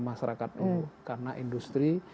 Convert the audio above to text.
masyarakat dulu karena industri